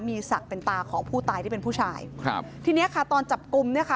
มีศักดิ์เป็นตาของผู้ตายที่เป็นผู้ชายครับทีเนี้ยค่ะตอนจับกลุ่มเนี่ยค่ะ